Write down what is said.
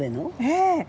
ええ！